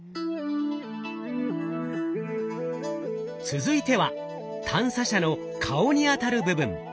続いては探査車の顔にあたる部分。